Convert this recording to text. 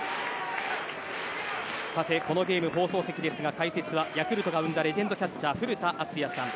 このゲーム、放送席の解説はヤクルトが生んだレジェンドキャッチャー古田敦也さん。